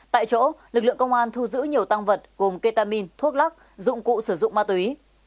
tại chỗ lực lượng công an thu giữ nhiều tăng vật gồm ketamin thuốc lắc dụng cụ sử dụng ma túy